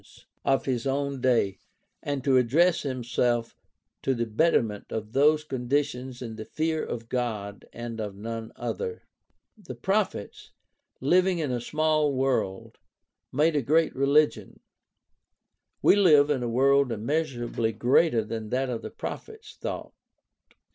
i6o GUIDE TO STUDY OF CHRISTIAN RELIGION own day and to address himself to the betterment of those conditions in the fear of God and of none other. The proph ets, Hving in a small world, made a great religion. We live in a world immeasurably greater than that of the prophets' thought.